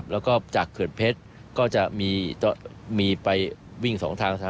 แล้วก็จากเขื่อนเพชรก็จะมีไปวิ่งสองทาง